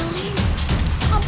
malin jangan lupa